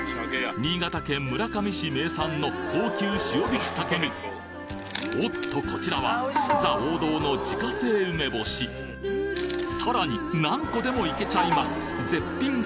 新潟県村上市名産の高級塩引鮭におっとこちらはザ王道のさらに何個でもいけちゃいます